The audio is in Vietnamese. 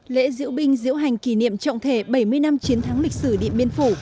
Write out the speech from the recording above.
lễ diễu binh diễu hành kỷ niệm trọng thể bảy mươi năm chiến thắng lịch sử điện biên phủ